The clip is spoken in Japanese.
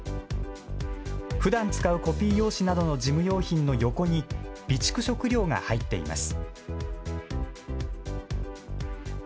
ふだん使うコピー用紙などの事務用品の横に備蓄食料が入っています。